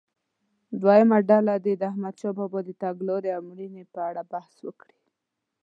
دویمه ډله دې د احمدشاه بابا د تګلارې او مړینې په اړه بحث وکړي.